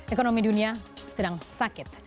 ekonomi dunia sedang sakit